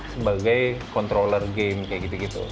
sebagai controller game kayak gitu gitu